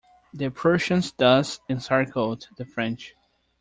The Prussians thus encircled the French.